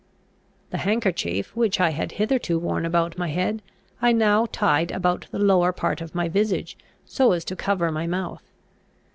The handkerchief, which I had hitherto worn about my head, I now tied about the lower part of my visage, so as to cover my mouth.